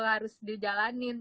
harus di jalanin